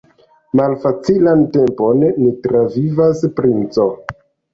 Malfacilan tempon ni travivas, princo.